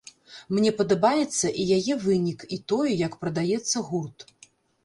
Мне падабаецца і яе вынік, і тое, як прадаецца гурт.